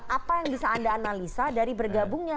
apa yang bisa anda analisa dari bergabungnya